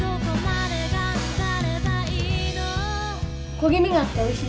焦げ目があっておいしい。